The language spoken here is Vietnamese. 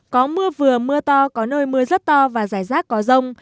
có mưa vừa mưa to có nơi mưa rất to và giải rác có rồng